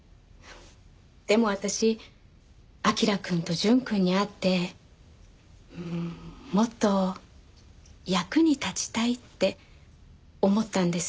でも私彬くんと淳くんに会ってうーんもっと役に立ちたいって思ったんです。